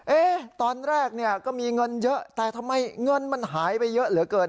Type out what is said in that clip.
ตอนแรกเนี่ยก็มีเงินเยอะแต่ทำไมเงินมันหายไปเยอะเหลือเกิน